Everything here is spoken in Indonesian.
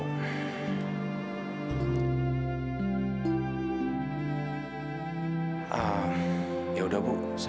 kan parrot yang dipelihara makin banyak